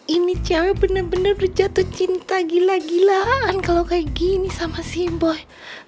ini cewek bener bener jatuh cinta gila gilaan kalo kayak gini sama si boy